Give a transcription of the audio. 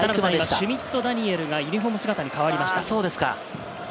シュミット・ダニエルがユニホーム姿に変わりました。